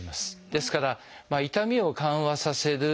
ですから痛みを緩和させる。